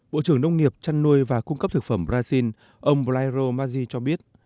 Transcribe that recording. bộ trưởng nông nghiệp trăn nuôi và cung cấp thực phẩm brazil ông blairo maggi cho biết